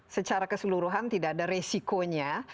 secara keseluruhan tidak ada resikonya